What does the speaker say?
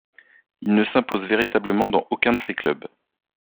Il ne s'impose véritablement dans aucun de ces clubs.